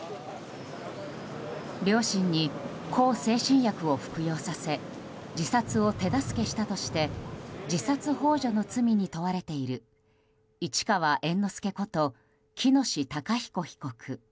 両親に向精神薬を服用させ自殺を手助けしたとして自殺幇助の罪に問われている市川猿之助こと喜熨斗孝彦被告。